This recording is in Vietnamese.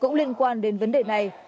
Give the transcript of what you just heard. cũng liên quan đến vấn đề này